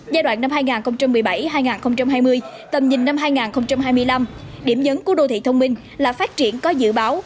giai đoạn năm hai nghìn một mươi bảy hai nghìn hai mươi tầm nhìn năm hai nghìn hai mươi năm điểm nhấn của đô thị thông minh là phát triển có dự báo